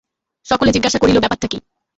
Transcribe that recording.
সকলে জিজ্ঞাসা করিল, ব্যাপারটা কী?